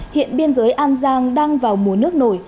hiện biên giới an giang đang vào mùa nước nổi